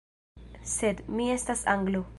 Sed, mi estas Anglo.